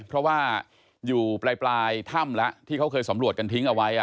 เพราะว่าอยู่ปลายถ้ำแล้วที่เขาเคยสำรวจกันทิ้งเอาไว้